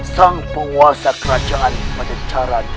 sang penguasa kerajaan pendencaran